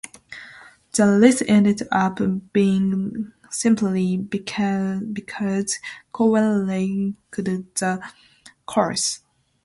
The race ended up being simply because Cohen liked the course.